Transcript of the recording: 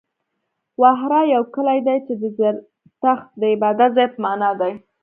وهاره يو کلی دی، چې د زرتښت د عبادت ځای په معنا دی.